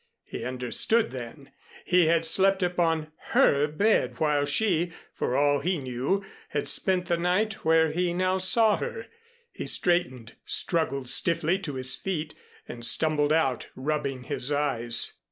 He understood then. He had slept upon her bed while she for all he knew had spent the night where he now saw her. He straightened, struggled stiffly to his feet and stumbled out, rubbing his eyes.